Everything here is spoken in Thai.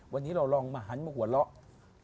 วันนี้เราลองมาหันมาหัวเราะ